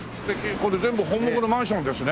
これ全部本牧のマンションですね。